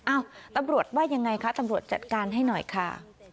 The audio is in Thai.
อ้าวตำรวจว่ายังไงคะตำรวจจัดการให้หน่อยค่ะ